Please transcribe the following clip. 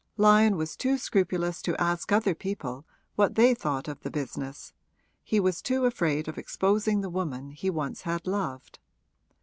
Lyon was too scrupulous to ask other people what they thought of the business he was too afraid of exposing the woman he once had loved.